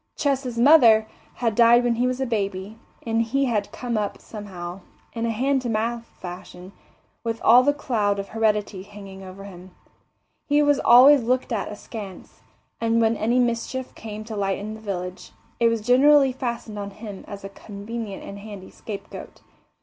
Ches's mother had died when he was a baby, and he had come up somehow, in a hand to mouth fashion, with all the cloud of heredity hanging over him. He was always looked at askance, and when any mischief came to light in the village, it was generally fastened on him as a convenient and handy scapegoat.